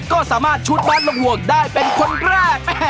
ก็สามารถชุดบัตรหลวงได้เป็นคนแรก